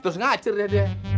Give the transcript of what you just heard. terus ngacer deh dia